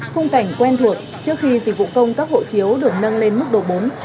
khung cảnh quen thuộc trước khi dịch vụ công cấp hộ chiếu được nâng lên mức độ bốn